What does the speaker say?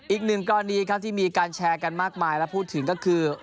อีกหนึ่งกรณีครับที่มีการแชร์กันมากมายและพูดถึงก็คือ